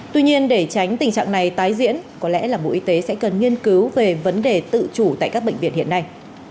tuy nhiên để tránh tình trạng này tái diễn có lẽ là bộ y tế sẽ cần nghiên cứu về vấn đề tự chủ tại các bệnh viện hiện nay